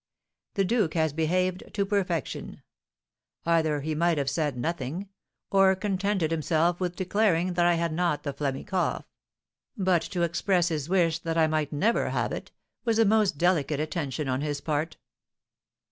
The duke has behaved to perfection. Either he might have said nothing, or contented himself with declaring that I had not the phlegmy cough. But to express his wish that I might never have it, was a most delicate attention on his part."